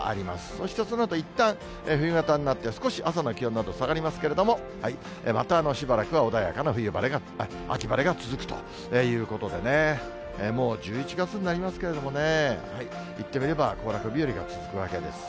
そしてそのあといったん冬型になって、少し朝の気温など下がりますけれども、またしばらくは穏やかな冬晴れが、秋晴れが続くということでね、もう１１月になりますけれどもね、言ってみれば、行楽日和が続くわけです。